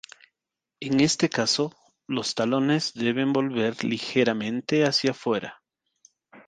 En este caso, los talones deben volver ligeramente hacia fuera.